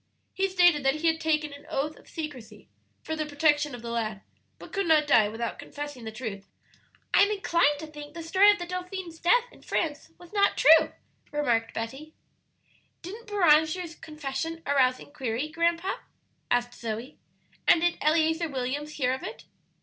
He stated that he had taken an oath of secrecy, for the protection of the lad, but could not die without confessing the truth." "I'm inclined to think the story of the dauphin's death in France was not true," remarked Betty. "Didn't Beranger's confession arouse inquiry, grandpa?" asked Zoe. "And did Eleazer Williams hear of it?"